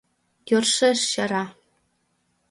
Йӧршеш чара.